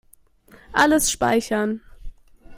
Alles speichern.